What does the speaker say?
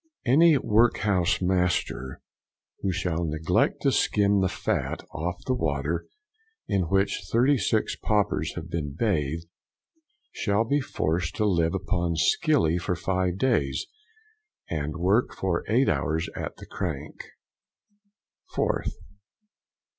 Any workhouse master who shall neglect to skim the fat off the water in which thirty six paupers have been bathed, shall be forced to live upon skilly for five days, and work for eight hours at the crank. 4th.